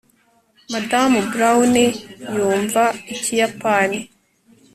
madamu brown yumva ikiyapani